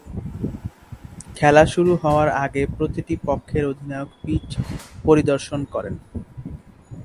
খেলা শুরু হওয়ার আগে প্রতিটি পক্ষের অধিনায়ক পিচ পরিদর্শন করেন।